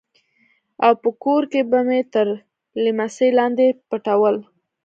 او په کور کښې به مې تر ليمڅي لاندې پټول.